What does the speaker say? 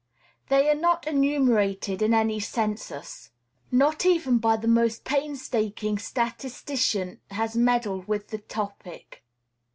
They are not enumerated in any census. Not even the most painstaking statistician has meddled with the topic.